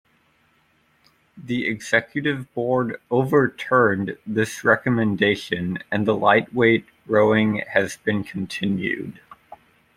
The Executive Board "overturned" this recommendation and the lightweight rowing has been continued.